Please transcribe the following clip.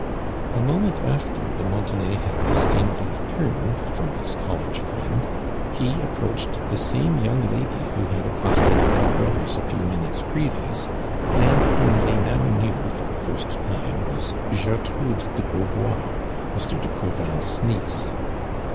A moment after de Montenay had disdain fully turned from his college friind. he approached the same young lady who liad accosted the two brothers a few minutes jirevious, and whom tliey now knew for the first time was (iertiinle de Beauvoir, ^[r. de C'ourvars niece.